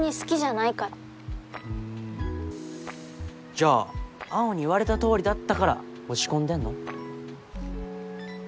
じゃあ青に言われた通りだったから落ち込んでんの？